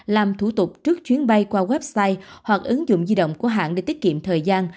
làm thủ tục trước chuyến bay qua website hoặc ứng dụng di động của hãng để tiết kiệm thời gian